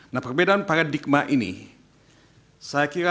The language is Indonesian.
nah perbedaan paradigma ini saya kira